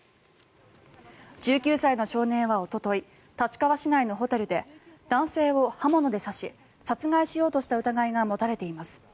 １９歳の少年はおととい立川市内のホテルで男性を刃物で刺し殺害しようとした疑いが持たれています。